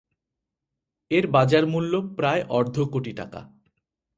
এর বাজারমূল্য প্রায় অর্ধকোটি টাকা।